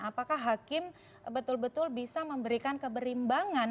apakah hakim betul betul bisa memberikan keberimbangan